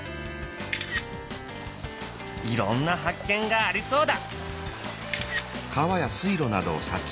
いろんな発見がありそうだ！